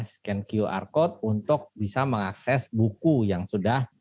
scan qr code untuk bisa mengakses buku yang sudah